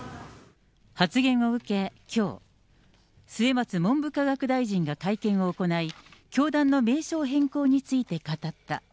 発言を受け、きょう、末松文部科学大臣が会見を行い、教団の名称変更について語った。